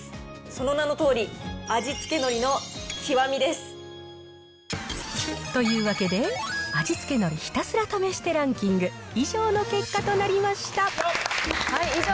その名のとおり、というわけで、味付けのりひたすら試してランキング、以上のような結果となりました。